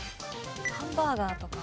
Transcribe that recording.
ハンバーガーとか。